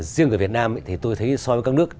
riêng của việt nam thì tôi thấy so với các nước